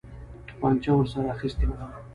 توپنچه ورسره اخیستې وه.